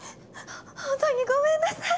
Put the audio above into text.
ほんとにごめんなさい。